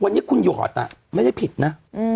วันนี้คุณหยอดไม่ได้ผิดนะ